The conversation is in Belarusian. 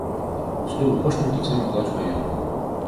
Судовую пошліну таксама аплачвае ён.